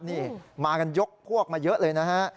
นี่มากันยกพวกมาเยอะเลยนะฮะ